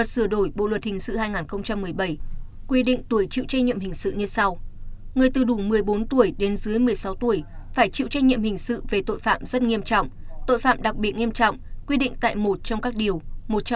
sửa đổi bộ luật thình sự hai nghìn một mươi bảy quy định tuổi chịu trách nhiệm hình sự như sau